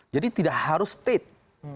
jadi tidak harus state